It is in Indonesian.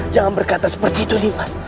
jangan berkata seperti itu nimas